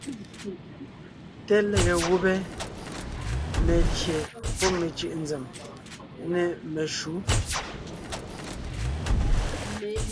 Té lege gùbé (melyè pɔ́ mecʉ̀ʼ nzèm) nê meshǔ.